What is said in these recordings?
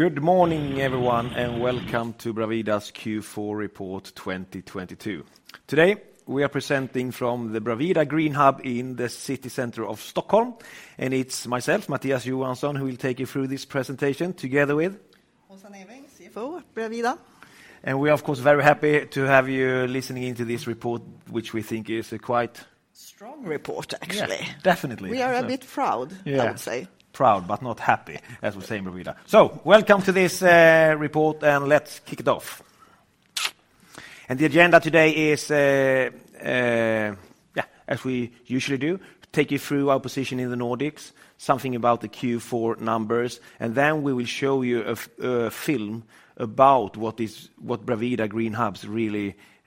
Good morning, everyone. Welcome to Bravida's Q4 report 2022. Today, we are presenting from the Bravida GreenHub in the city center of Stockholm, and it's myself, Mattias Johansson, who will take you through this presentation together with. Åsa Neving, CFO Bravida We are, of course, very happy to have you listening into this report, which we think is a quite- Strong report, actually. Yeah, definitely. We are a bit proud, I would say. Yeah. Proud, but not happy, as we say in Bravida. Welcome to this report, and let's kick it off. The agenda today is, yeah, as we usually do, take you through our position in the Nordics, something about the Q4 numbers, and then we will show you a film about what Bravida Green Hub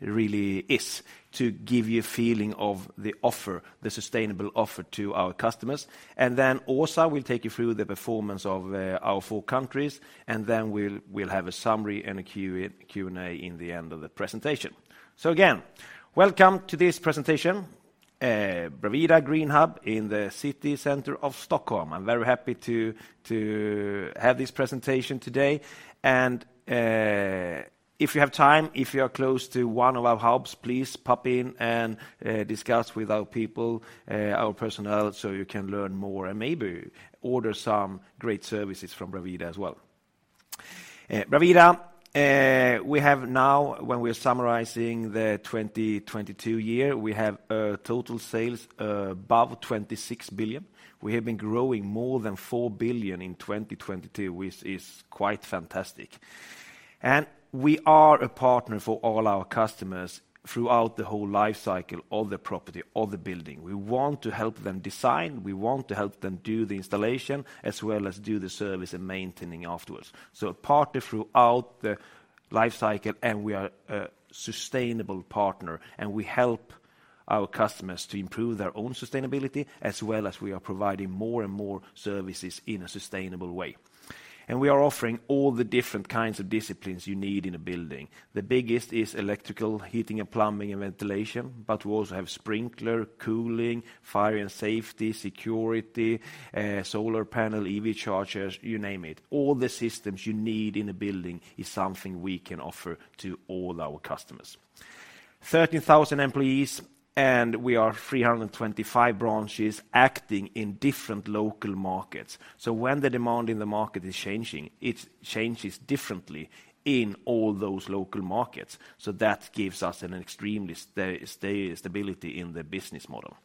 really is to give you a feeling of the offer, the sustainable offer to our customers. Then Åsa will take you through the performance of our four countries, and then we'll have a summary and a Q&A in the end of the presentation. Again, welcome to this presentation, Bravida Green Hub in the city center of Stockholm. I'm very happy to have this presentation today. If you have time, if you are close to one of our hubs, please pop in and discuss with our people, our personnel, so you can learn more and maybe order some great services from Bravida as well. Bravida, we have now, when we are summarizing the 2022 year, we have total sales above 26 billion. We have been growing more than 4 billion in 2022, which is quite fantastic. We are a partner for all our customers throughout the whole life cycle of the property, of the building. We want to help them design, we want to help them do the installation, as well as do the service and maintaining afterwards. A partner throughout the life cycle, we are a sustainable partner, we help our customers to improve their own sustainability, as well as we are providing more and more services in a sustainable way. We are offering all the different kinds of disciplines you need in a building. The biggest is electrical, heating and plumbing, and ventilation, but we also have sprinkler, cooling, fire and safety, security, solar panel, EV chargers, you name it. All the systems you need in a building is something we can offer to all our customers. 13,000 employees, we are 325 branches acting in different local markets. When the demand in the market is changing, it changes differently in all those local markets. That gives us an extremely stability in the business model.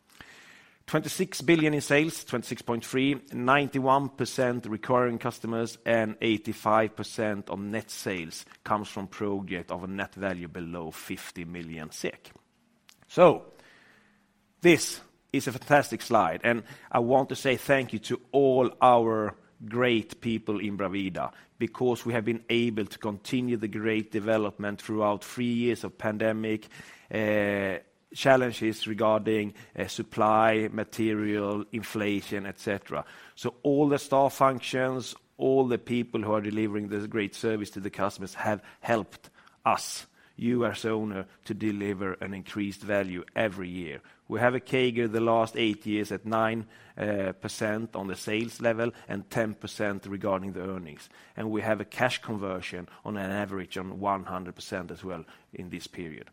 26 billion in sales, 26.3 billion, 91% recurring customers, 85% of net sales comes from project of a net value below 50 million SEK. This is a fantastic slide, and I want to say thank you to all our great people in Bravida, because we have been able to continue the great development throughout 3 years of pandemic, challenges regarding supply, material, inflation, et cetera. All the staff functions, all the people who are delivering this great service to the customers have helped us, you as owner, to deliver an increased value every year. We have a CAGR the last 8 years at 9% on the sales level and 10% regarding the earnings. We have a cash conversion on an average on 100% as well in this period.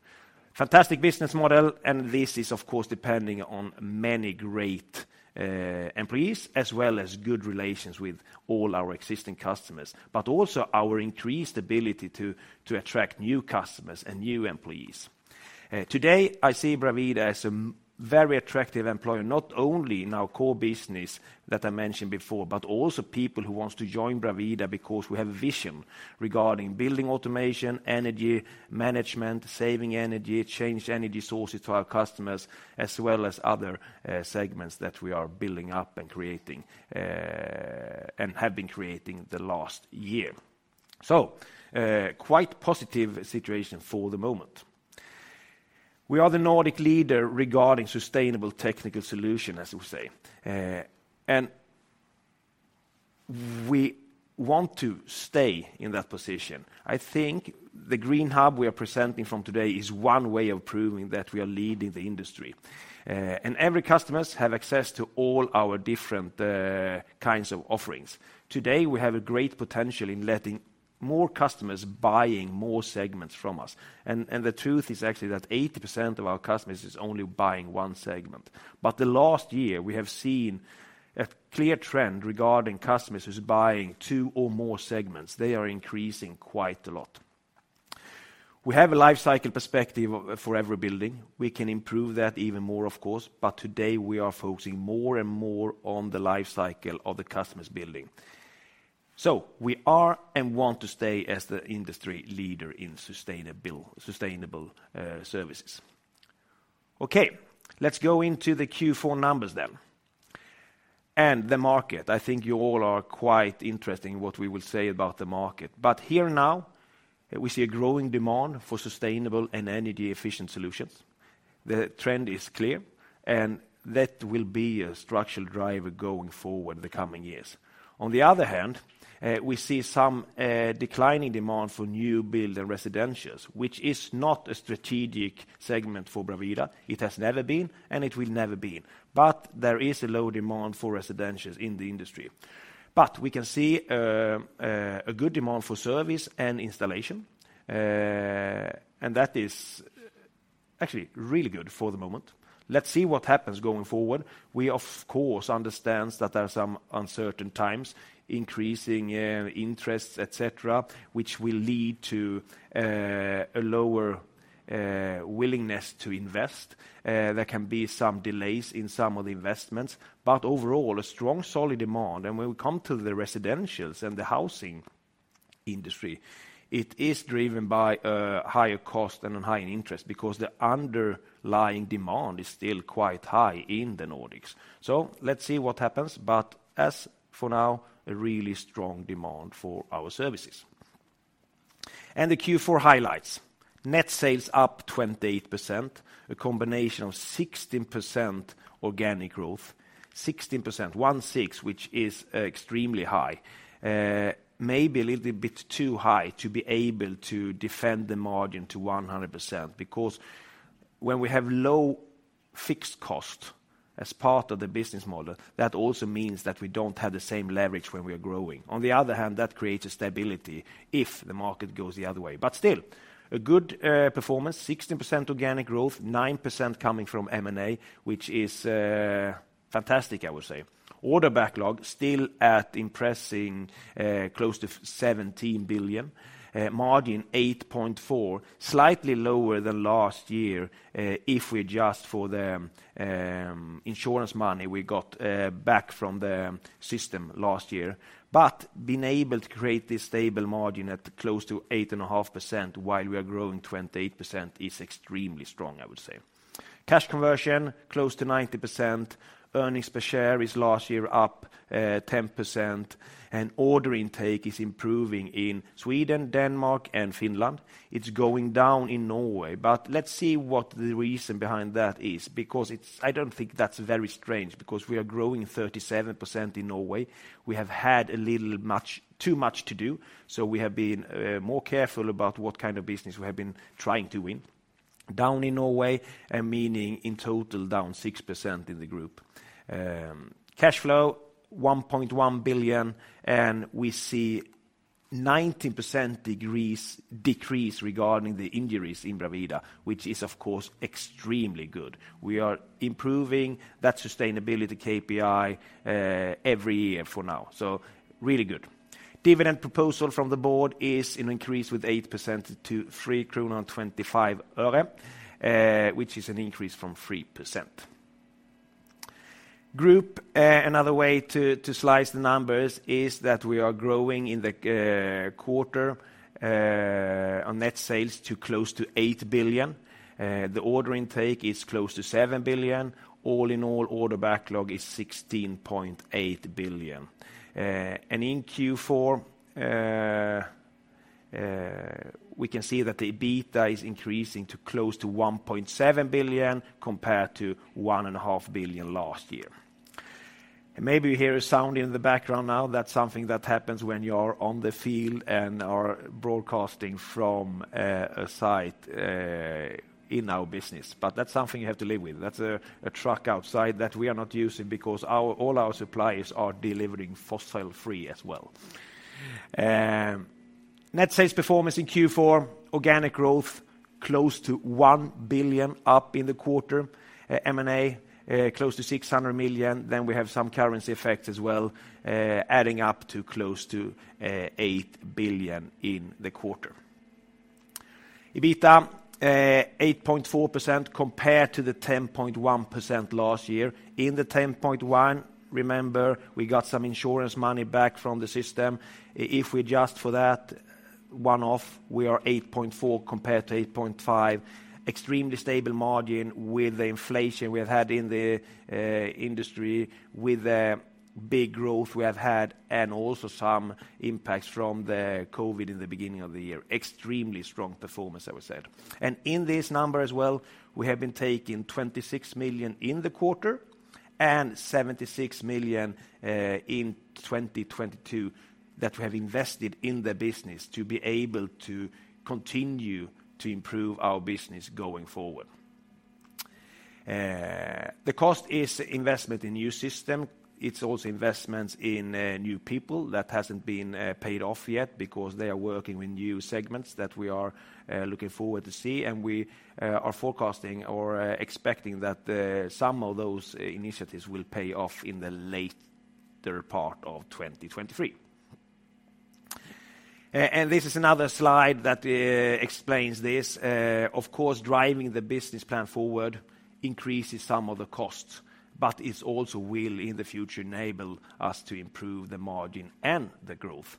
Fantastic business model, and this is of course depending on many great employees as well as good relations with all our existing customers, but also our increased ability to attract new customers and new employees. Today, I see Bravida as a very attractive employer, not only in our core business that I mentioned before, but also people who wants to join Bravida because we have a vision regarding building automation, energy management, saving energy, change energy sources to our customers, as well as other segments that we are building up and creating and have been creating the last year. Quite positive situation for the moment. We are the Nordic leader regarding sustainable technical solution, as we say. We want to stay in that position. I think the Green Hub we are presenting from today is one way of proving that we are leading the industry. Every customers have access to all our different kinds of offerings. Today, we have a great potential in letting more customers buying more segments from us. The truth is actually that 80% of our customers is only buying 1 segment. Last year, we have seen a clear trend regarding customers who's buying 2 or more segments. They are increasing quite a lot. We have a life cycle perspective for every building. We can improve that even more, of course, but today we are focusing more and more on the life cycle of the customer's building. We are and want to stay as the industry leader in sustainable services. Okay, let's go into the Q4 numbers then. The market, I think you all are quite interested in what we will say about the market. Here now, we see a growing demand for sustainable and energy-efficient solutions. The trend is clear, and that will be a structural driver going forward in the coming years. On the other hand, we see some declining demand for new build and residentials, which is not a strategic segment for Bravida. It has never been, and it will never be. There is a low demand for residentials in the industry. We can see a good demand for service and installation, and that is actually really good for the moment. Let's see what happens going forward. We, of course understands that there are some uncertain times, increasing interests, et cetera, which will lead to a lower willingness to invest. There can be some delays in some of the investments. Overall, a strong solid demand. When we come to the residentials and the housing industry, it is driven by higher cost and a high interest because the underlying demand is still quite high in the Nordics. Let's see what happens. As for now, a really strong demand for our services. The Q4 highlights. Net sales up 28%, a combination of 16% organic growth. 16%, 16, which is extremely high. Maybe a little bit too high to be able to defend the margin to 100%, because when we have low fixed cost as part of the business model, that also means that we don't have the same leverage when we are growing. On the other hand, that creates a stability if the market goes the other way. Still, a good performance, 16% organic growth, 9% coming from M&A, which is fantastic, I would say. Order backlog still at impressive close to 17 billion. Margin 8.4%, slightly lower than last year, if we adjust for the insurance money we got back from the system last year. Being able to create this stable margin at close to 8.5% while we are growing 28% is extremely strong, I would say. Cash conversion, close to 90%. Earnings per share is last year up 10%. Order intake is improving in Sweden, Denmark, and Finland. It's going down in Norway. Let's see what the reason behind that is, because I don't think that's very strange, because we are growing 37% in Norway. We have had a little much, too much to do. We have been more careful about what kind of business we have been trying to win. Down in Norway, meaning in total, down 6% in the group. Cash flow, 1.1 billion, we see 90% decrease regarding the injuries in Bravida, which is of course, extremely good. We are improving that sustainability KPI every year for now. Really good. Dividend proposal from the board is an increase with 8% to 3 krona and 25 ore, which is an increase from 3%. Group, another way to slice the numbers is that we are growing in the 1/4 on net sales to close to 8 billion. The order intake is close to 7 billion. All in all, order backlog is 16.8 billion. In Q4, we can see that the EBITDA is increasing to close to 1.7 billion compared to 1.5 billion last year. Maybe you hear a sound in the background now. That's something that happens when you're on the field and are broadcasting from a site in our business. That's something you have to live with. That's a truck outside that we are not using because all our suppliers are delivering fossil free as well. Net sales performance in Q4, organic growth close to 1 billion up in the 1/4. M&A, close to 600 million. We have some currency effects as well, adding up to close to 8 billion in the 1/4. EBITDA, 8.4% compared to the 10.1% last year. In the 10.1%, remember, we got some insurance money back from the system. If we adjust for that one-off, we are 8.4% compared to 8.5%. Extremely stable margin with the inflation we have had in the industry, with the big growth we have had, and also some impacts from the COVID in the beginning of the year. Extremely strong performance, I would say. In this number as well, we have been taking 26 million in the 1/4 and 76 million in 2022 that we have invested in the business to be able to continue to improve our business going forward. The cost is investment in new system. It's also investments in new people that hasn't been paid off yet because they are working with new segments that we are looking forward to see. We are forecasting or expecting that some of those initiatives will pay off in the latter part of 2023. This is another slide that explains this. Of course, driving the business plan forward increases some of the costs, but it's also will in the future enable us to improve the margin and the growth.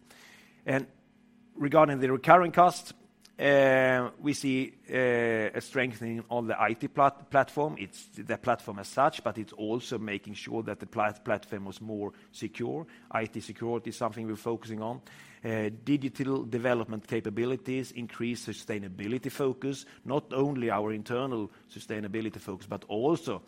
Regarding the recurring costs, we see a strengthening on the IT platform. It's the platform as such, but it's also making sure that the platform was more secure. IT security is something we're focusing on. Uh, digital development capabilities increase sustainability focus, not only our internal sustainability focus, but also,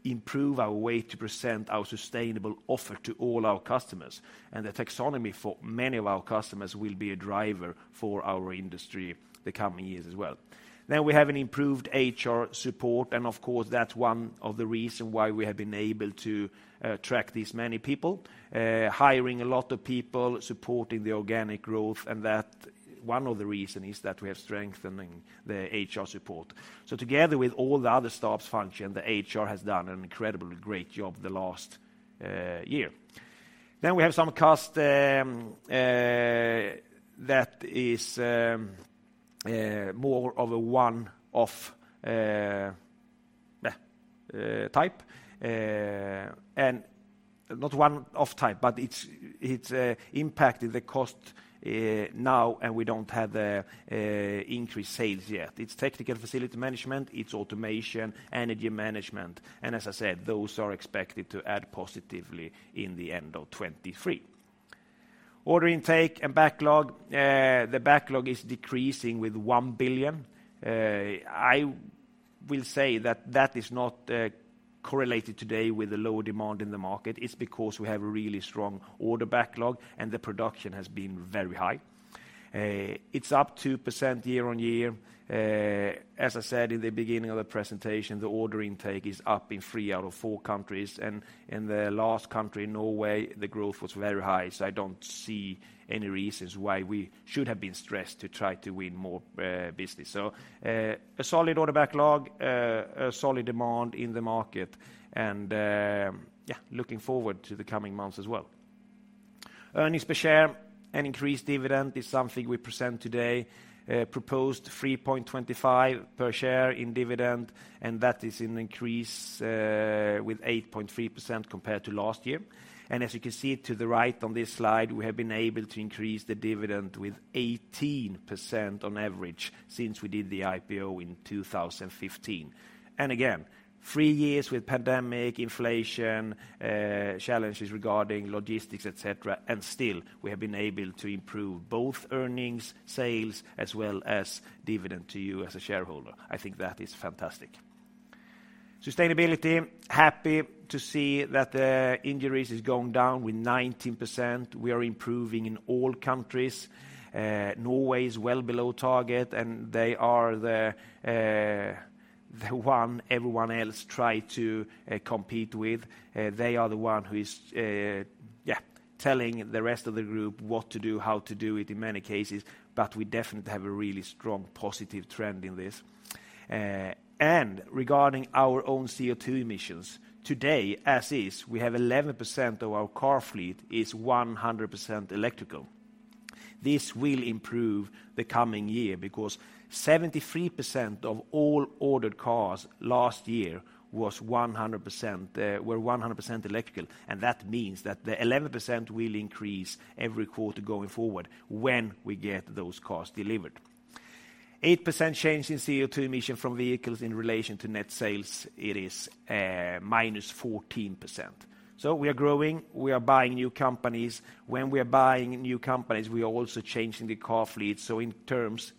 uh, improve our way to present our sustainable offer to all our customers. And the taxonomy for many of our customers will be a driver for our industry the coming years as well. Then we have an improved HR support, and of course, that's one of the reason why we have been able to, uh, track these many people. Uh, hiring a lot of people, supporting the organic growth, and that One of the reason is that we are strengthening the HR support. So together with all the other staff's function, the HR has done an incredibly great job the last, uh, year. Then we have some cost, um, uh, that is, um, uh, more of a one-off, uh, uh, type. Not one-off type, but it's impacted the cost now, and we don't have the increased sales yet. It's technical facility management, it's automation, energy management, and as I said, those are expected to add positively in the end of 2023. Order intake and backlog. The backlog is decreasing with 1 billion. I will say that that is not correlated today with the lower demand in the market. It's because we have a really strong order backlog, and the production has been very high. It's up 2% year-over-year. As I said in the beginning of the presentation, the order intake is up in 3 out of 4 countries. In the last country, Norway, the growth was very high, so I don't see any reasons why we should have been stressed to try to win more business. A solid order backlog, a solid demand in the market, and, yeah, looking forward to the coming months as well. Earnings per share and increased dividend is something we present today. Proposed 3.25 per share in dividend, and that is an increase with 8.3% compared to last year. As you can see to the right on this slide, we have been able to increase the dividend with 18% on average since we did the IPO in 2015. Again, 3 years with pandemic, inflation, challenges regarding logistics, et cetera, and still we have been able to improve both earnings, sales, as well as dividend to you as a shareholder. I think that is fantastic. Sustainability. Happy to see that the injuries is going down with 19%. We are improving in all countries. Norway is well below target, and they are the one everyone else try to compete with. They are the one who is telling the rest of the group what to do, how to do it in many cases, but we definitely have a really strong positive trend in this. Regarding our own CO2 emissions, today, as is, we have 11% of our car fleet is 100% electrical. This will improve the coming year because 73% of all ordered cars last year were 100% electrical, that means that the 11% will increase every 1/4 going forward when we get those cars delivered. 8% change in CO2 emission from vehicles in relation to net sales, it is -14%. We are growing, we are buying new companies. 'When we are buying new companies, we are also changing the car fleet,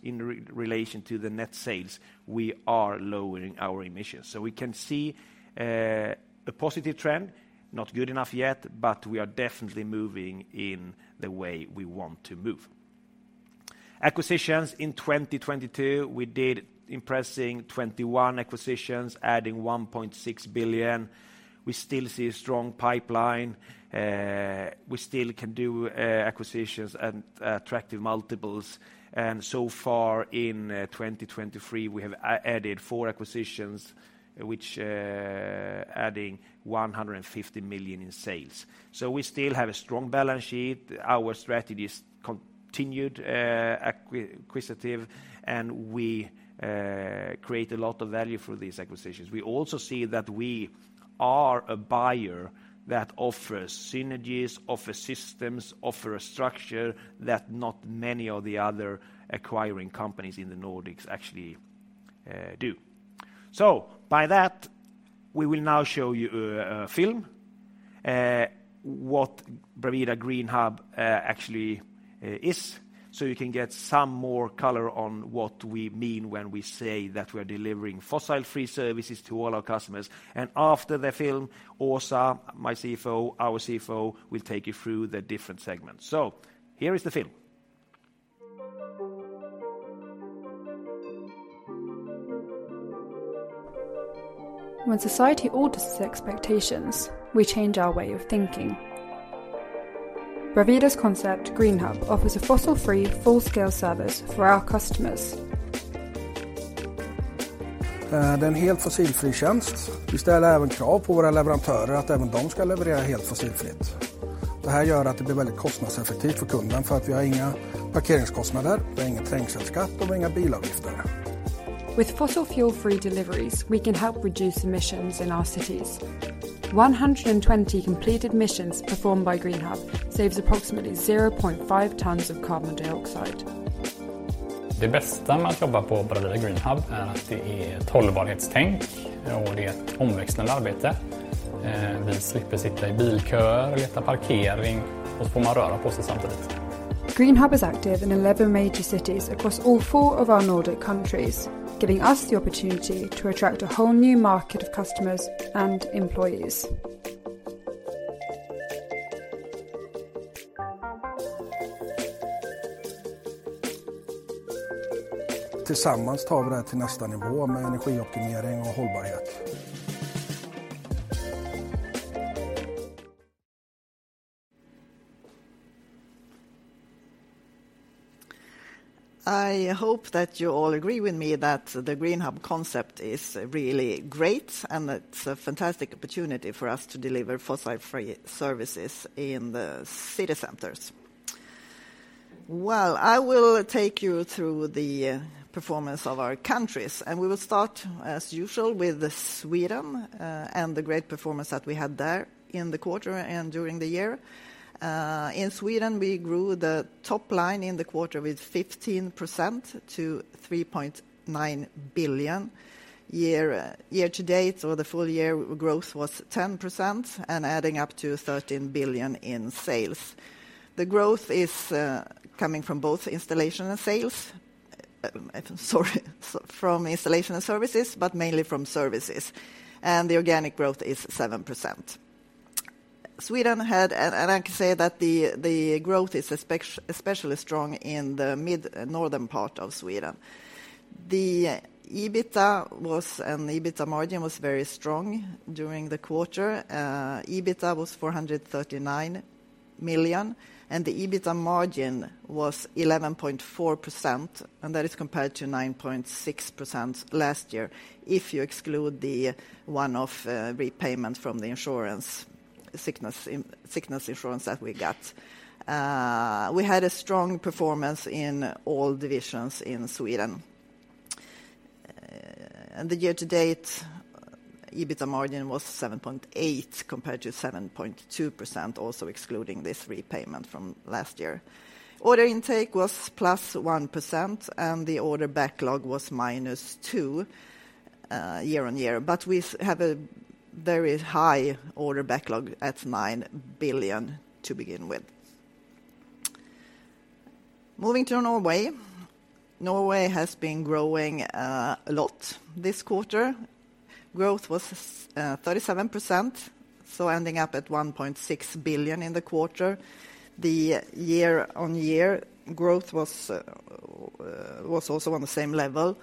in relation to the net sales, we are lowering our emissions. We can see a positive trend, not good enough yet, but we are definitely moving in the way we want to move. Acquisitions in 2022, we did impressing 21 acquisitions, adding 1.6 billion. We still see a strong pipeline. We still can do acquisitions at attractive multiples. So far in 2023, we have added four acquisitions, which adding 150 million in sales. We still have a strong balance sheet. Our strategy is continued acquisitive, and we create a lot of value for these acquisitions. We also see that we are a buyer that offers synergies, offer systems, offer a structure that not many of the other acquiring companies in the Nordics actually do. By that, we will now show you a film what Bravida GreenHub actually is, so you can get some more color on what we mean when we say that we're delivering fossil-free services to all our customers. After the film, Åsa Neving, our CFO, will take you through the different segments. Here is the film. When society alters expectations, we change our way of thinking. Bravida's concept, GreenHub, offers a fossil-free, full-scale service for our customers. It's a completely Fossil-Free service. We also demand from our suppliers that they also deliver completely fossil-free. This makes it very Cost-Effective for the customer because we have no parking costs, no congestion tax, and no car taxes. With fossil fuel-free deliveries, we can help reduce emissions in our cities. 120 completed missions performed by GreenHub saves approximately 0.5 tons of carbon dioxide. The best thing about working at Bravida GreenHub is that it is sustainable thinking, and it is varied work. We avoid sitting in traffic jams, looking for parking, and we get to move around at the same time. GreenHub is active in 11 major cities across all 4 of our Nordic countries, giving us the opportunity to attract a whole new market of customers and employees. Together, we take this to the next level with energy optimization and sustainability. I hope that you all agree with me that the GreenHub concept is really great, and it's a fantastic opportunity for us to deliver Fossil-Free services in the city centers. Well, I will take you through the performance of our countries, and we will start, as usual, with Sweden, and the great performance that we had there in the 1/4 and during the year. In Sweden, we grew the top line in the 1/4 with 15% to 3.9 billion. Year, year to date or the full year growth was 10% and adding up to 13 billion in sales. The growth is coming from both installation and sales... from installation and services, but mainly from services, and the organic growth is 7%. Sweden had, and I can say that the growth is especially strong in the mid-northern part of Sweden. The EBITDA was and the EBITDA margin was very strong during the 1/4. EBITDA was 439 million, and the EBITDA margin was 11.4%, and that is compared to 9.6% last year if you exclude the one-off repayment from the insurance sickness sickness insurance that we got. We had a strong performance in all divisions in Sweden. The Year-To-Date EBITDA margin was 7.8%, compared to 7.2%, also excluding this repayment from last year. Order intake was +1%, and the order backlog was -2% year on year. We have a very high order backlog at 9 billion to begin with. Moving to Norway. Norway has been growing a lot this 1/4. Growth was 37%, ending up at 1.6 billion in the 1/4. The Year-Over-Year growth was also on the same level.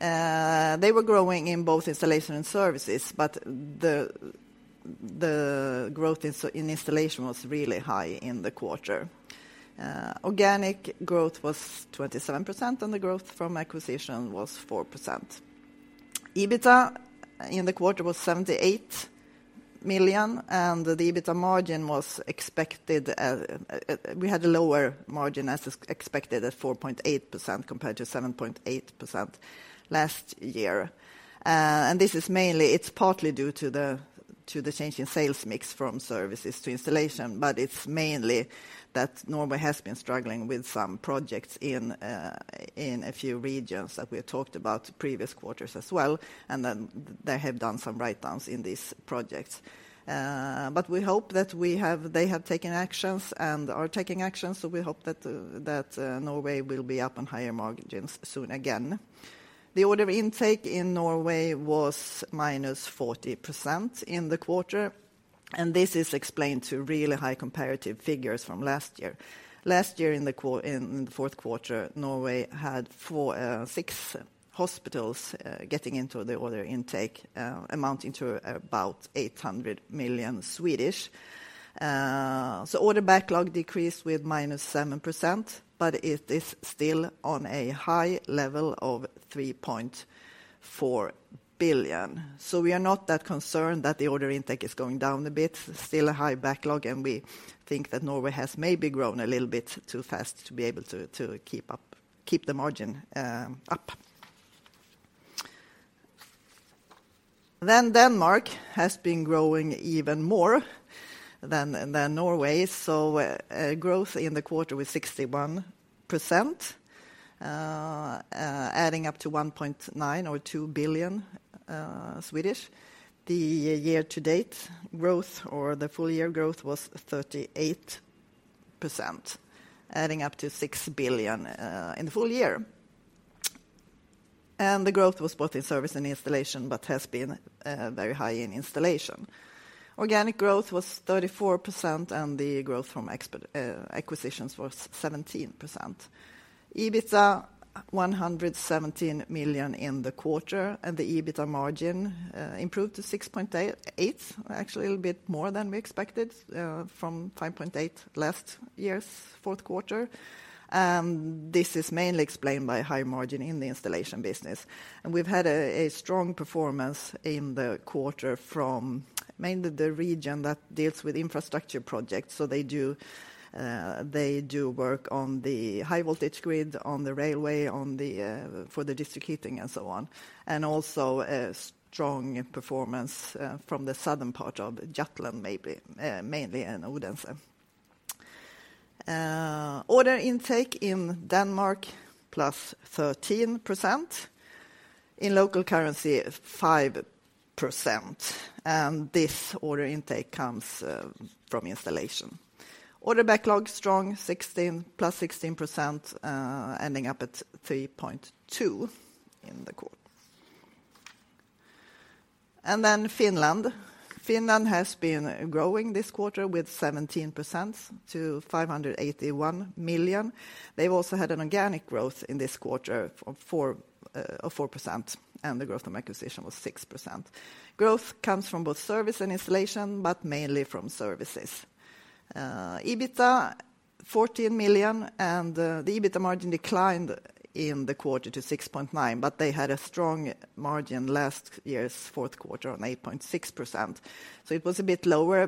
They were growing in both installation and services, but the growth in installation was really high in the 1/4. Organic growth was 27%, the growth from acquisition was 4%. EBITDA in the 1/4 was 78 million, the EBITDA margin was expected, we had a lower margin as expected at 4.8% compared to 7.8% last year. This is mainly, it's partly due to the change in sales mix from services to installation, but it's mainly that Norway has been struggling with some projects in a few regions that we had talked about previous 1/4s as well, and they have done some writedowns in these projects. We hope that they have taken actions and are taking actions, so we hope that Norway will be up on higher margins soon again. The order intake in Norway was -40% in the 1/4, this is explained to really high comparative figures from last year. Last year in the fourth 1/4, Norway had four, six hospitals getting into the order intake, amounting to about 800 million. Order backlog decreased with -7%, but it is still on a high level of 3.4 billion. We are not that concerned that the order intake is going down a bit. Still a high backlog, and we think that Norway has maybe grown a little bit too fast to be able to keep the margin up. Denmark has been growing even more than Norway. Growth in the 1/4 was 61%, adding up to 1.9 or 2 billion Swedish. The year to date growth, or the full year growth, was 38%, adding up to 6 billion in the full year. The growth was both in service and installation, but has been very high in installation. Organic growth was 34%, and the growth from acquisitions was 17%. EBITDA 117 million in the 1/4, and the EBITDA margin improved to 6.8%, actually a little bit more than we expected, from 5.8% last year's fourth 1/4. This is mainly explained by high margin in the installation business. We've had a strong performance in the 1/4 from mainly the region that deals with infrastructure projects. They do work on the high voltage grid, on the railway, on the for the district heating, and so on. Also a strong performance from the southern part of Jutland maybe, mainly, and Odense. Order intake in Denmark +13%. In local currency, 5%. This order intake comes from installation. Order backlog strong, plus 16%, ending up at 3.2 in the 1/4. Finland. Finland has been growing this 1/4 with 17% to 581 million. They've also had an organic growth in this 1/4 of 4%, and the growth from acquisition was 6%. Growth comes from both service and installation, but mainly from services. EBITDA 14 million, and the EBITDA margin declined in the 1/4 to 6.9%, but they had a strong margin last year's fourth 1/4 on 8.6%. It was a bit lower,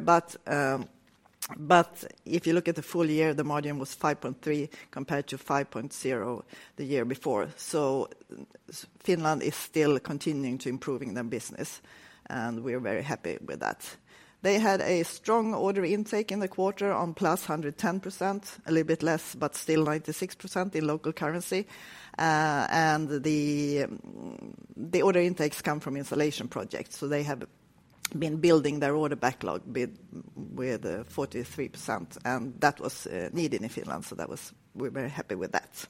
but if you look at the full year, the margin was 5.3% compared to 5.0% the year before. Finland is still continuing to improving their business, and we're very happy with that. They had a strong order intake in the 1/4 on +110%, a little bit less, but still 96% in local currency. The order intakes come from installation projects. They have been building their order backlog with 43%, and that was needed in Finland, that was we're very happy with that.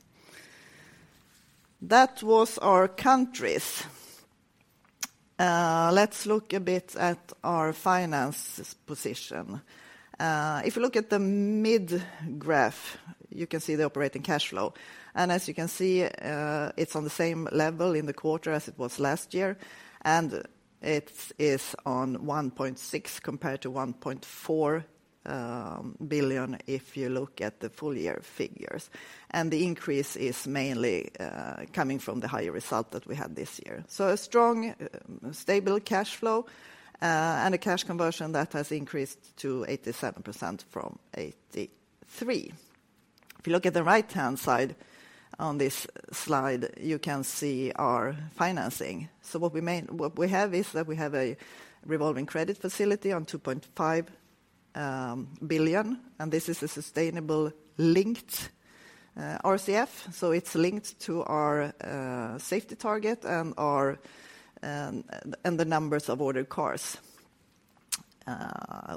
That was our countries. Let's look a bit at our finances position. If you look at the mid-graph, you can see the operating cash flow. As you can see, it's on the same level in the 1/4 as it was last year, and it is on 1.6 billion compared to 1.4 billion if you look at the full year figures. The increase is mainly coming from the higher result that we had this year. A strong, stable cash flow, and a cash conversion that has increased to 87% from 83. If you look at the right-hand side on this slide, you can see our financing. What we have is that we have a revolving credit facility on 2.5 billion, and this is a sustainable linked RCF, so it's linked to our safety target and the numbers of ordered cars.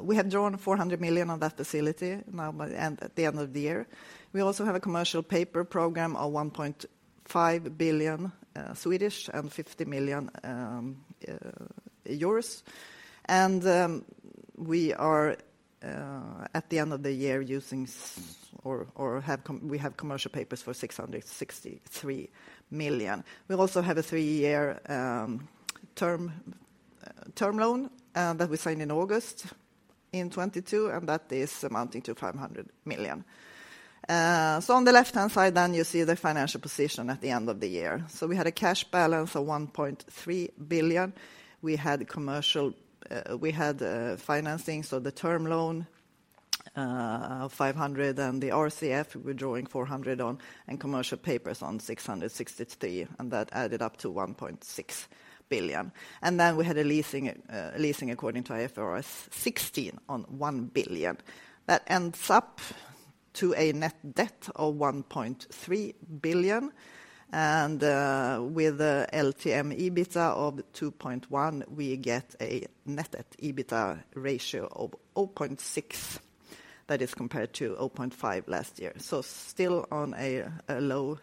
We have drawn 400 million on that facility now at the end of the year. We also have a commercial paper program of 1.5 billion and 50 million euros. We have commercial papers for 663 million. We also have a 3-year term loan that we signed in August 2022, and that is amounting to 500 million. On the left-hand side, you see the financial position at the end of the year. We had a cash balance of 1.3 billion. We had commercial, we had financing, so the term loan of 500 million, the RCF, we're drawing 400 million on, commercial papers on 663 million, that added up to 1.6 billion. We had a leasing according to IFRS 16 on 1 billion. That ends up to a net debt of 1.3 billion, with the LTM EBITDA of 2.1 billion, we get a net at EBITDA ratio of 0.6. That is compared to 0.5 last year. Still on a low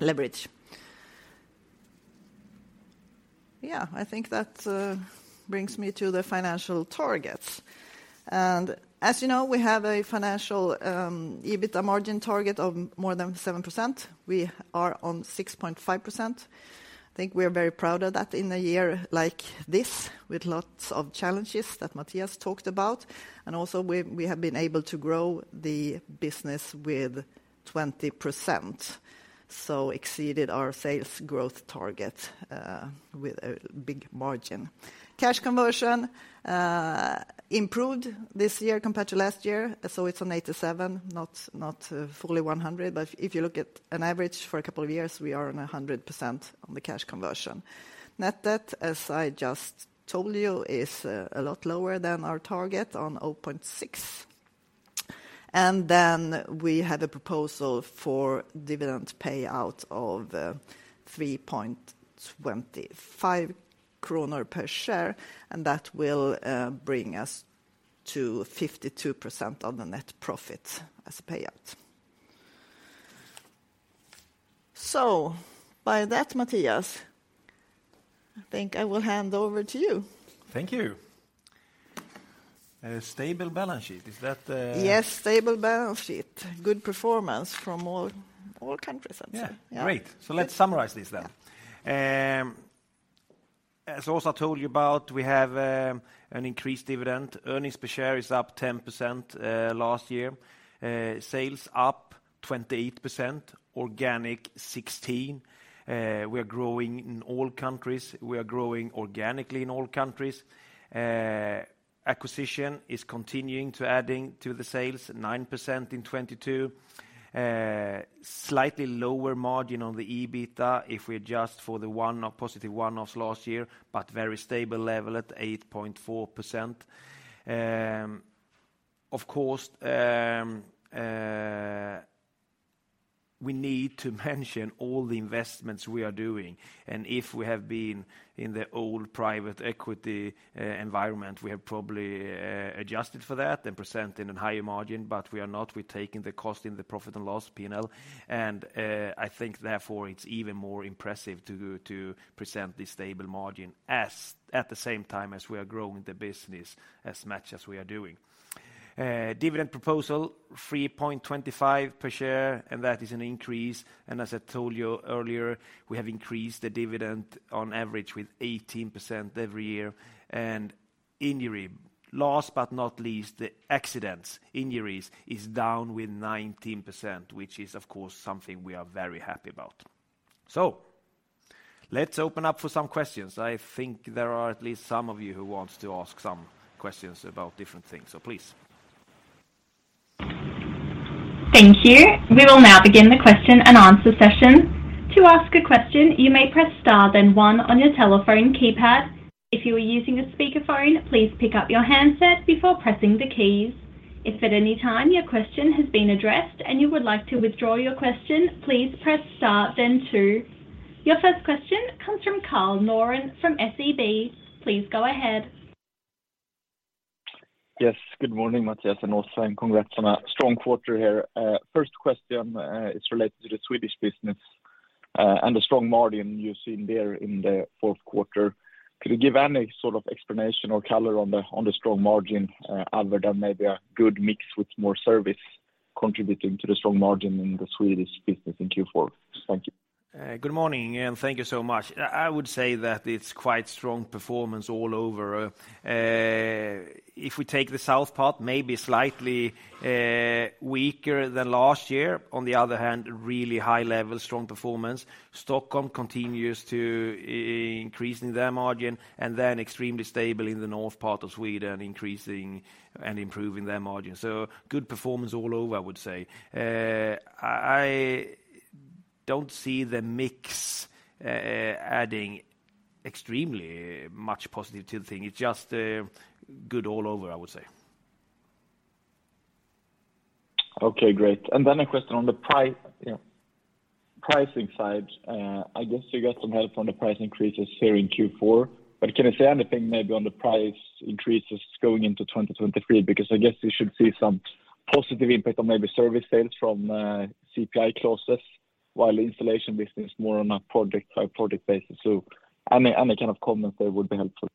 leverage. I think that brings me to the financial targets. As you know, we have a financial EBITDA margin target of more than 7%. We are on 6.5%. I think we're very proud of that in a year like this with lots of challenges that Mattias talked about. Also we have been able to grow the business with 20%, so exceeded our sales growth target with a big margin. Cash conversion improved this year compared to last year, it's on 87%, not fully 100%. If you look at an average for a couple of years, we are on 100% on the cash conversion. Net debt, as I just told you, is a lot lower than our target on 0.6. We had a proposal for dividend payout of 3.25 kronor per share, and that will bring us to 52% of the net profit as payout. By that, Mattias, I think I will hand over to you. Thank you. A stable balance sheet. Is that? Yes, stable balance sheet. Good performance from all countries, I'd say. Great. Let's summarize this. As Åsa told you about, we have an increased dividend. Earnings per share is up 10% last year. Sales up 28%, organic 16%. We are growing in all countries. We are growing organically in all countries. Acquisition is continuing to adding to the sales, 9% in 2022. Slightly lower margin on the EBITDA if we adjust for the positive one-offs last year, but very stable level at 8.4%. Of course, we need to mention all the investments we are doing. If we have been in the old private equity environment, we have probably adjusted for that and present in a higher margin, but we are not. We're taking the cost in the profit and loss, P&L. I think therefore it's even more impressive to present this stable margin at the same time as we are growing the business as much as we are doing. Dividend proposal 3.25 per share, that is an increase. As I told you earlier, we have increased the dividend on average with 18% every year. Injury. Last but not least, the accidents, injuries is down with 19%, which is, of course, something we are very happy about. Let's open up for some questions. I think there are at least some of you who wants to ask some questions about different things. Please. Thank you. We will now begin the question and answer session. To ask a question, you may press star then 1 on your telephone keypad. If you are using a speakerphone, please pick up your handset before pressing the keys. If at any time your question has been addressed and you would like to withdraw your question, please press star then 2. Your first question comes from Karl Norén from SEB. Please go ahead. Yes, good morning, Mattias, congrats on a strong 1/4 here. First question is related to the Swedish business and the strong margin you're seeing there in the fourth 1/4. Could you give any sort of explanation or color on the strong margin other than maybe a good mix with more service contributing to the strong margin in the Swedish business in Q4? Thank you. Good morning, thank you so much. I would say that it's quite strong performance all over. If we take the south part, maybe slightly weaker than last year. On the other hand, really high level, strong performance. Stockholm continues to increase in their margin, extremely stable in the north part of Sweden, increasing and improving their margin. Good performance all over, I would say. I don't see the mix adding extremely much positive to the thing. It's just good all over, I would say. Okay, great. A question on the you know, pricing side. I guess you got some help on the price increases here in Q4. Can you say anything maybe on the price increases going into 2023? Because I guess you should see some positive impact on maybe service sales from CPI clauses, while installation business more on a project by project basis. Any, any kind of comments there would be helpful.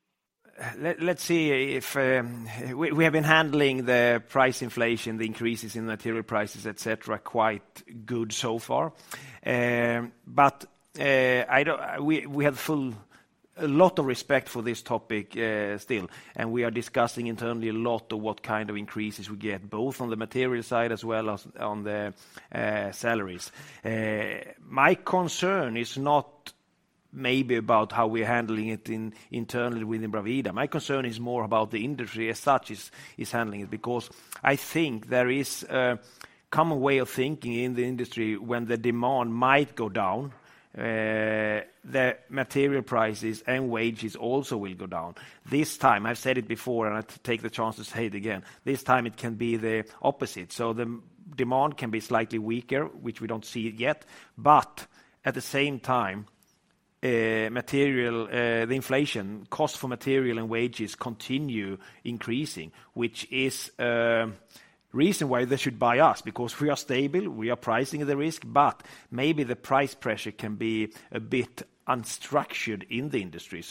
Let's see if we have been handling the price inflation, the increases in material prices, et cetera, quite good so far. We have a lot of respect for this topic still, we are discussing internally a lot of what kind of increases we get, both on the material side as well as on the salaries. My concern is not maybe about how we're handling it internally within Bravida. My concern is more about the industry as such is handling it because I think there is a common way of thinking in the industry when the demand might go down, the material prices and wages also will go down. This time, I've said it before, I have to take the chance to say it again, this time it can be the opposite. The demand can be slightly weaker, which we don't see it yet. At the same time, material, the inflation costs for material and wages continue increasing, which is reason why they should buy us because we are stable, we are pricing the risk, but maybe the price pressure can be a bit unstructured in the industry.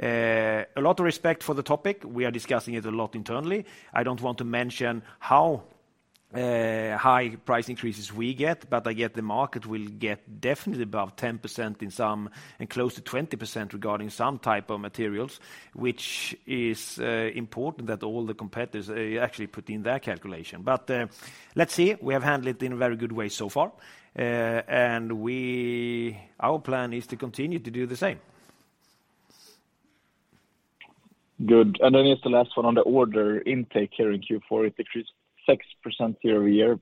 A lot of respect for the topic. We are discussing it a lot internally. I don't want to mention how high price increases we get, but I get the market will get definitely above 10% in some and close to 20% regarding some type of materials, which is important that all the competitors actually put in their calculation. Let's see. We have handled it in a very good way so far. Our plan is to continue to do the same. Good. Here's the last one on the order intake here in Q4. It decreased 6% year-over-year.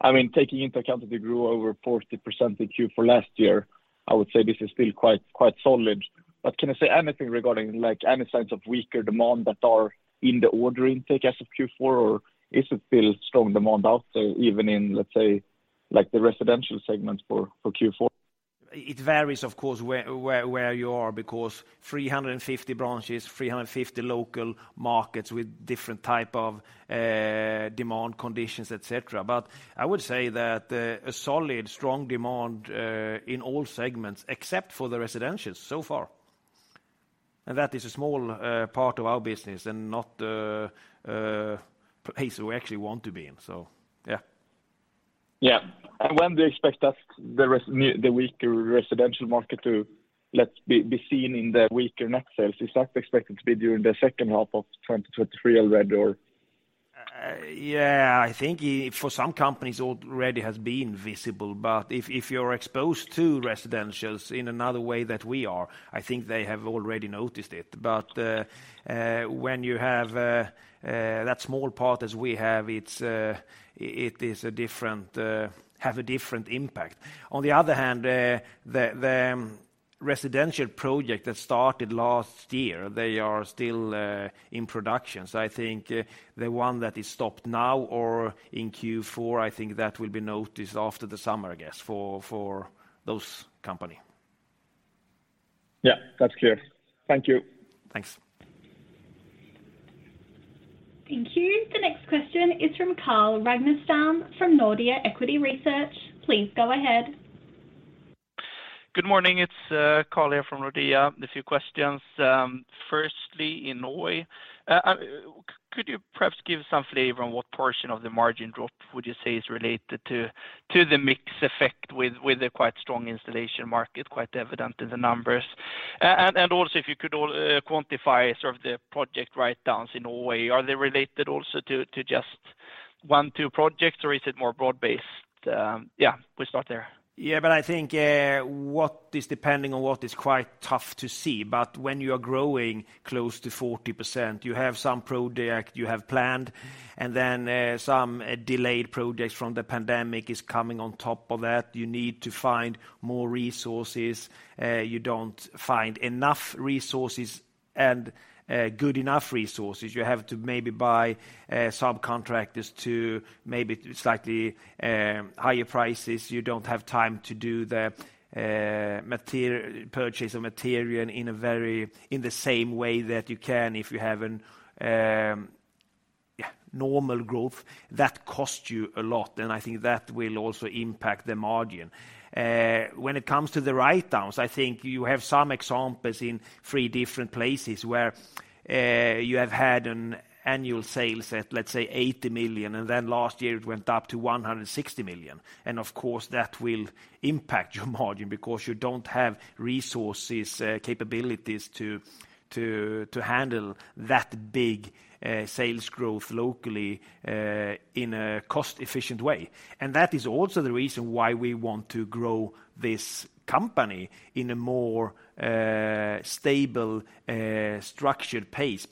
I mean, taking into account that we grew over 40% in Q4 last year, I would say this is still quite solid. Can you say anything regarding, like, any signs of weaker demand that are in the order intake as of Q4, or is it still strong demand out there, even in, let's say, like, the residential segment for Q4? It varies, of course, where, where you are because 350 branches, 350 local markets with different type of demand conditions, et cetera. I would say that a solid, strong demand in all segments, except for the residential so far. That is a small part of our business and not a place we actually want to be in. Yeah. Yeah. When do you expect us the weaker residential market to, let's be seen in the weaker net sales? Is that expected to be during the second 1/2 of 2023 already, or? Yeah, I think for some companies already has been visible. If you're exposed to residentials in another way that we are, I think they have already noticed it. When you have that small part as we have, it is a different, have a different impact. On the other hand, the residential project that started last year, they are still in production. I think the one that is stopped now or in Q4, I think that will be noticed after the summer, I guess, for those company. Yeah. That's clear. Thank you. Thanks. Thank you. The next question is from Carl Ragnerstam from Nordea Equity Research. Please go ahead. Good morning, it's Carl here from Nordea. A few questions. Firstly, in Norway, could you perhaps give some flavor on what portion of the margin drop would you say is related to the mix effect with the quite strong installation market quite evident in the numbers? Also, if you could quantify sort of the project writedowns in Norway. Are they related also to just one, 2 projects, or is it more Broad-Based? Yeah, we start there. Yeah. I think, what is depending on what is quite tough to see, but when you are growing close to 40%, you have some project you have planned, and then, some delayed projects from the pandemic is coming on top of that. You need to find more resources. You don't find enough resources and good enough resources. You have to maybe buy subcontractors to maybe slightly higher prices. You don't have time to do the purchase of material in the same way that you can if you have an yeah, normal growth, that cost you a lot. I think that will also impact the margin. When it comes to the writedowns, I think you have some examples in 3 different places where you have had an annual sales at, let's say, 80 million, and then last year it went up to 160 million. Of course, that will impact your margin because you don't have resources, capabilities to handle that big sales growth locally in a cost-efficient way. That is also the reason why we want to grow this company in a more stable, structured pace.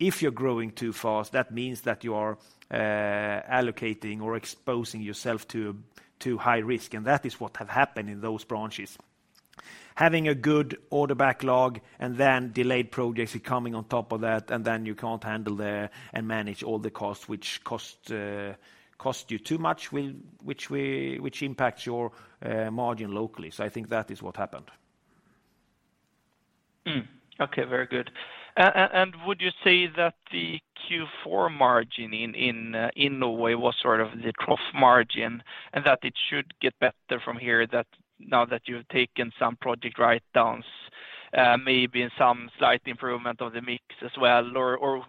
If you're growing too fast, that means that you are allocating or exposing yourself to high risk. That is what have happened in those branches. Having a good order backlog and then delayed projects coming on top of that, and then you can't handle and manage all the costs, which cost you too much, which impacts your margin locally. I think that is what happened. Okay, very good. Would you say that the Q4 margin in Norway was sort of the trough margin and that it should get better from here that now that you've taken some project writedowns, maybe in some slight improvement of the mix as well? Or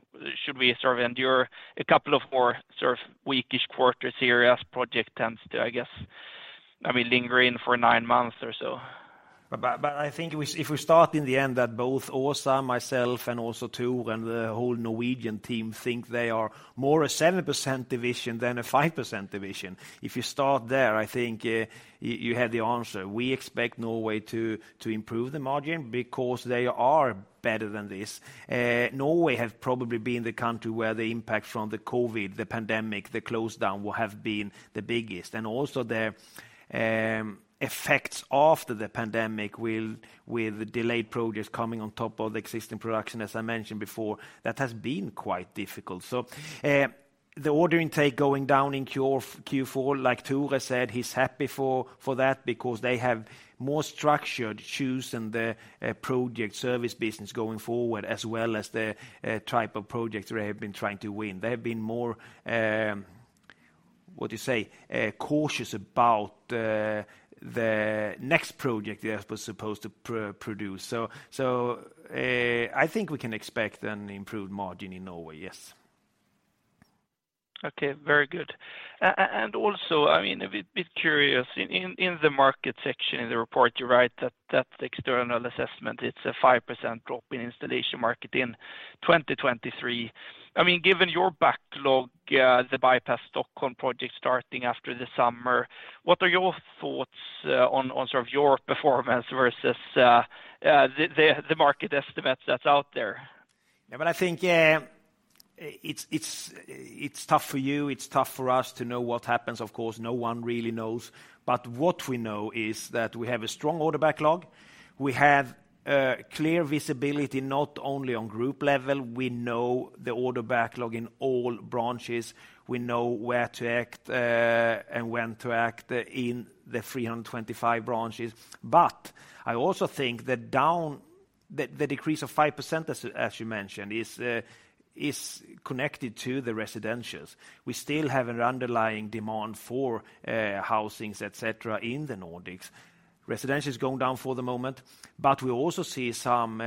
should we sort of endure a couple of more sort of weak-ish 1/4s here as project tends to, I guess, I mean, linger in for 9 months or so? I think if we start in the end that both Åsa, myself, and also Tore and the whole Norwegian team think they are more a 7% division than a 5% division. If you start there, I think, you have the answer. We expect Norway to improve the margin because they are better than this. Norway have probably been the country where the impact from the COVID, the pandemic, the close down will have been the biggest. The effects after the pandemic will with delayed projects coming on top of the existing production, as I mentioned before, that has been quite difficult. The order intake going down in Q4, like Tore said, he's happy for that because they have more structured choose in the project service business going forward, as well as the type of projects they have been trying to win. They've been more, what do you say, cautious about the next project they're supposed to produce. I think we can expect an improved margin in Norway, yes. Okay, very good. Also, I mean, a bit curious. In the market section in the report, you write that external assessment, it's a 5% drop in installation market in 2023. I mean, given your backlog, the Bypass Stockholm project starting after the summer, what are your thoughts on sort of your performance versus the market estimates that's out there? I think it's tough for you, it's tough for us to know what happens. Of course, no one really knows. What we know is that we have a strong order backlog. We have clear visibility, not only on group level. We know the order backlog in all branches. We know where to act and when to act in the 325 branches. I also think that the decrease of 5%, as you mentioned, is connected to the residentials. We still have an underlying demand for housings, et cetera, in the Nordics. Residential is going down for the moment, but we also see some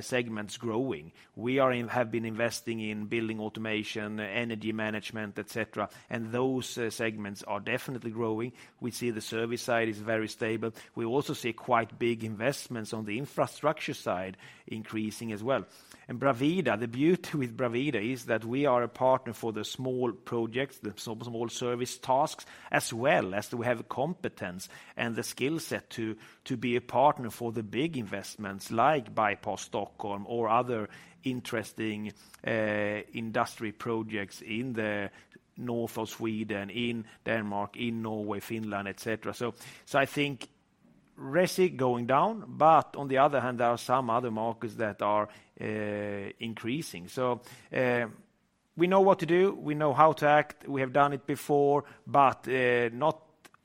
segments growing. We have been investing in building automation, energy management, et cetera, and those segments are definitely growing. We see the service side is very stable. We also see quite big investments on the infrastructure side increasing as well. Bravida, the beauty with Bravida is that we are a partner for the small projects, the so-small service tasks, as well as we have a competence and the skill set to be a partner for the big investments like Bypass Stockholm or other interesting industry projects in the north of Sweden, in Denmark, in Norway, Finland, et cetera. I think resi going down, but on the other hand, there are some other markets that are increasing. We know what to do, we know how to act, we have done it before, but not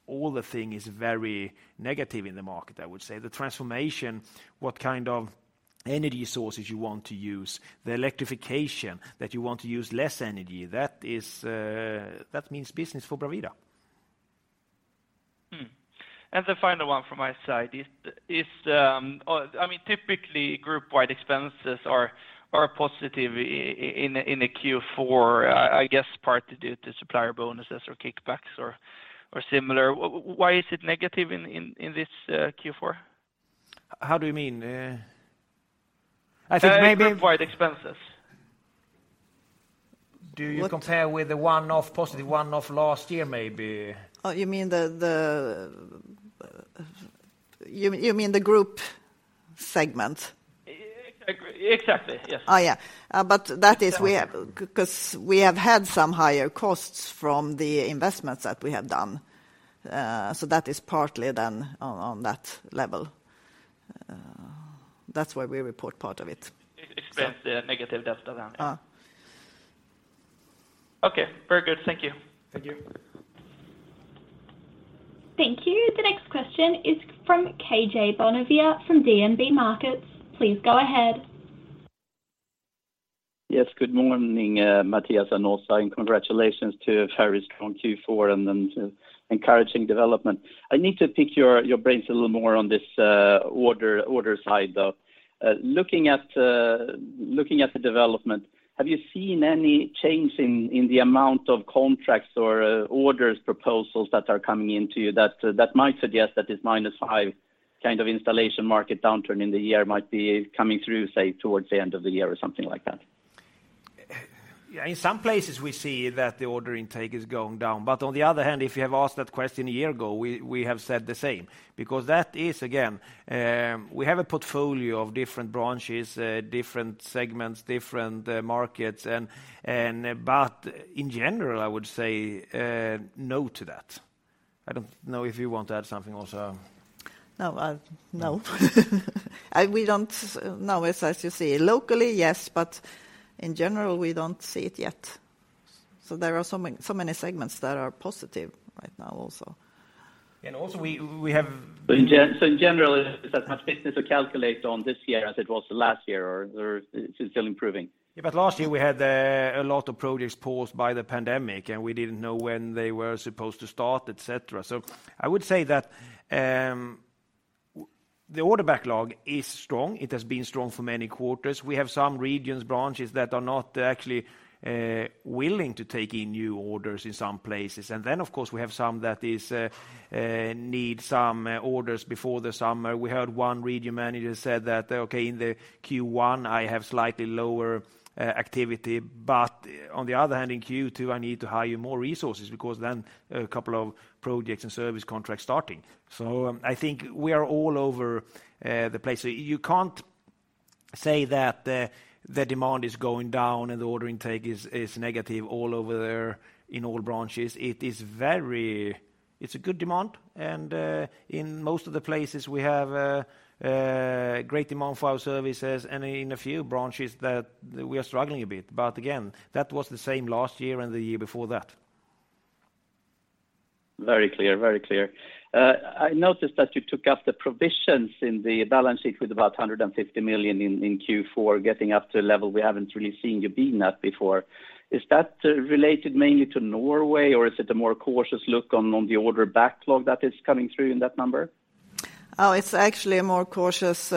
all the thing is very negative in the market, I would say. The transformation, what kind of energy sources you want to use, the electrification that you want to use less energy, that is, that means business for Bravida. The final one from my side is, I mean, typically group wide expenses are positive in a Q4, I guess part due to supplier bonuses or kickbacks or similar. Why is it negative in this Q4? How do you mean? I think maybe- Group wide expenses. Do you compare with the one of positive, one of last year, maybe? Oh, you mean the, you mean the group segment? Exactly, yes. Yeah. That is because we have had some higher costs from the investments that we have done. That is partly then on that level. That's why we report part of it. Expense, the negative delta then. Uh. Okay, very good. Thank you. Thank you. Thank you. The next question is from Karl-Johan Bonnevier from DNB Markets. Please go ahead. Yes. Good morning, Mattias and Åsa, and congratulations to a very strong Q4 and then encouraging development. I need to pick your brains a little more on this order side, though. Looking at the development, have you seen any change in the amount of contracts or orders, proposals that are coming into you that might suggest that this -5 kind of installation market downturn in the year might be coming through, say, towards the end of the year or something like that? Yeah, in some places we see that the order intake is going down. On the other hand, if you have asked that question a year ago, we have said the same. That is, again, we have a portfolio of different branches, different segments, different markets, but in general, I would say no to that. I don't know if you want to add something also. No. We don't know. It's as you see. Locally, yes, but in general, we don't see it yet. There are so many segments that are positive right now also. also we In general, is that much business to calculate on this year as it was the last year, or it's still improving? Last year we had a lot of projects paused by the pandemic, and we didn't know when they were supposed to start, et cetera. I would say that the order backlog is strong. It has been strong for many 1/4s. We have some regions, branches that are not actually willing to take in new orders in some places. Of course, we have some that is need some orders before the summer. We had one region manager said that, "Okay, in the Q1, I have slightly lower activity, but on the other hand, in Q2, I need to hire more resources because then a couple of projects and service contracts starting." I think we are all over the place. You can't say that the demand is going down and the ordering take is negative all over there in all branches. It's a good demand. In most of the places we have a great demand for our services and in a few branches that we are struggling a bit. Again, that was the same last year and the year before that. Very clear, very clear. I noticed that you took up the provisions in the balance sheet with about 150 million in Q4, getting up to a level we haven't really seen you being at before. Is that related mainly to Norway, or is it a more cautious look on the order backlog that is coming through in that number? Oh, it's actually a more cautious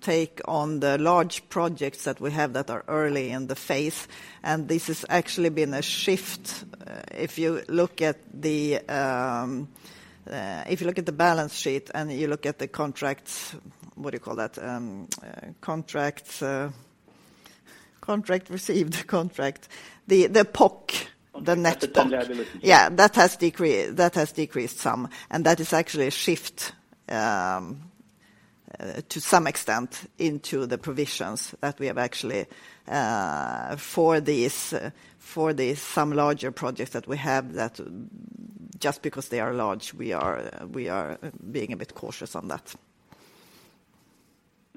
take on the large projects that we have that are early in the phase. This has actually been a shift. If you look at the, if you look at the balance sheet and you look at the contracts, what do you call that? contract received, contract. The POC, the net POC. The liability. Yeah, that has decreased some. That is actually a shift, to some extent into the provisions that we have actually, for these some larger projects that we have that just because they are large, we are being a bit cautious on that.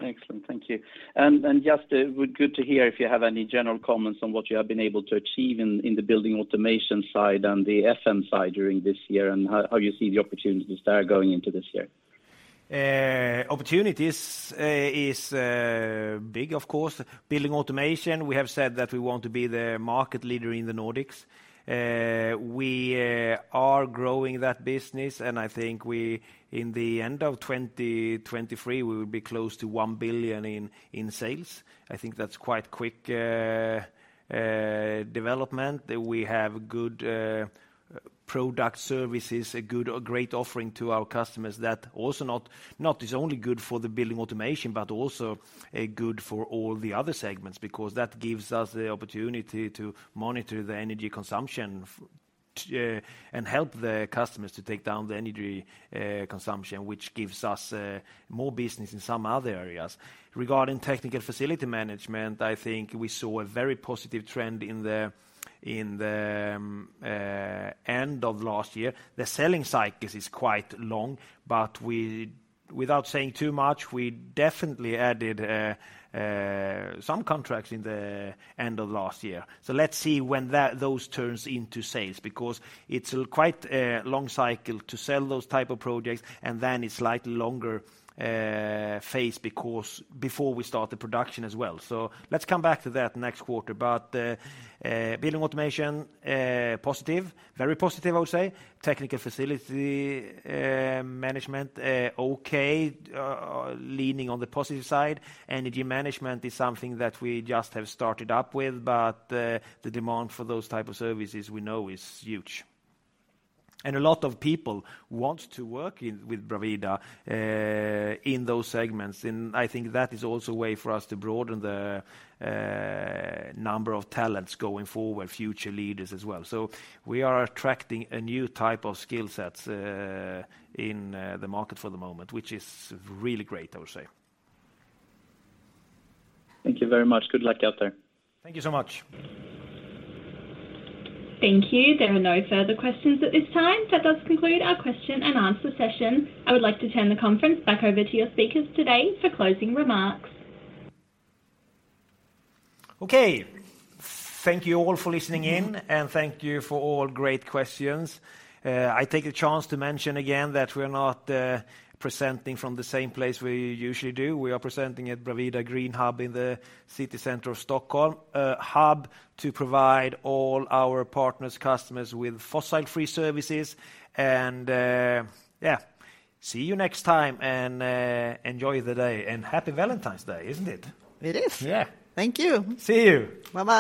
Excellent. Thank you. Just good to hear if you have any general comments on what you have been able to achieve in the building automation side and the FM side during this year and how you see the opportunities there going into this year. Opportunities is big, of course. Building automation, we have said that we want to be the market leader in the Nordics. We are growing that business. I think we, in the end of 2023, we will be close to 1 billion in sales. I think that's quite quick development. We have good product services, a good or great offering to our customers that also not is only good for the building automation, but also a good for all the other segments, because that gives us the opportunity to monitor the energy consumption and help the customers to take down the energy consumption, which gives us more business in some other areas. Technical facility management, I think we saw a very positive trend in the end of last year. The selling cycle is quite long. Without saying too much, we definitely added some contracts in the end of last year. Let's see when those turns into sales because it's quite a long cycle to sell those type of projects, and then it's slightly longer phase because before we start the production as well. Let's come back to that next 1/4. Building automation, positive, very positive, I would say. Technical facility management, okay, leaning on the positive side. Energy management is something that we just have started up with, but the demand for those type of services we know is huge. A lot of people want to work with Bravida in those segments. I think that is also a way for us to broaden the number of talents going forward, future leaders as well. We are attracting a new type of skill sets in the market for the moment, which is really great, I would say. Thank you very much. Good luck out there. Thank you so much. Thank you. There are no further questions at this time. That does conclude our question and answer session. I would like to turn the conference back over to your speakers today for closing remarks. Okay. Thank you all for listening in, thank you for all great questions. I take the chance to mention again that we're not presenting from the same place we usually do. We are presenting at Bravida GreenHub in the city center of Stockholm, a hub to provide all our partners, customers with fossil free services. Yeah, see you next time. Enjoy the day. Happy Valentine's Day, isn't it? It is. Yeah. Thank you. See you. Bye-bye.